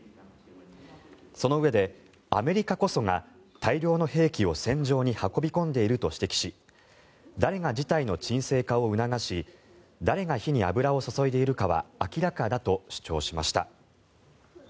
そのうえで、アメリカこそが大量の兵器を戦場に運び込んでいると指摘し誰が事態の沈静化を促し誰が火に油を注いでいるかは明らかだと主張しました。